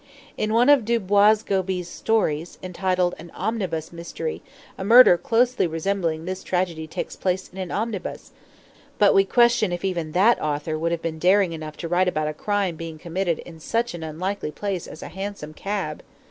In one of Du Boisgobey's stories, entitled 'An Omnibus Mystery,' a murder closely resembling this tragedy takes place in an omnibus, but we question if even that author would have been daring enough to write about a crime being committed in such an unlikely place as a hansom cab.